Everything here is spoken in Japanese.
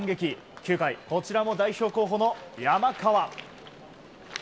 ９回こちらも代表候補の山川。